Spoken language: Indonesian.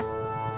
gak ada apa apa